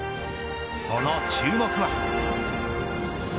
その注目は。